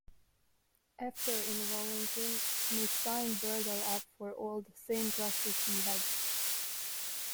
After enrolling him, Smith signed Burdell up for all the same classes he had.